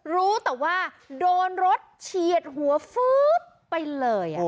รู้แต่ว่าโดนรถเชียดหัวไปเลยโอ้โฮ